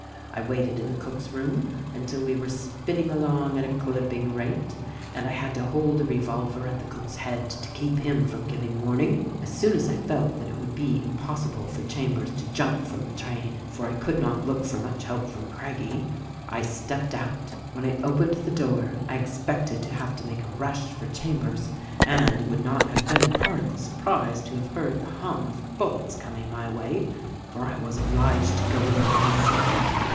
I waited in the cook's room until we were spinning along at a clipping rate, and I had to hold a revolver at the cook's head to keep him from giving warning. As soon as I felt that it would be impossible for Chambers to jump from the train (for I could not look for much help from Craggie) I stepped out. "When I opened the door I expected to have to make a rush for Chambers and would not have been a particle surprised to have heard the hum of bullets coming my way, for I was obliged to go in facing him.